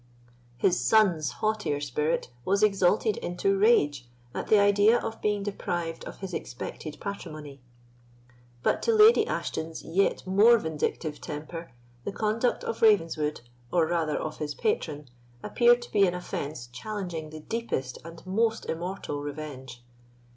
His son's haughtier spirit was exalted into rage at the idea of being deprived of his expected patrimony. But to Lady Ashton's yet more vindictive temper the conduct of Ravenswood, or rather of his patron, appeared to be an offence challenging the deepest and most immortal revenge.